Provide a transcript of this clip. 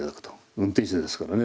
運転手ですからね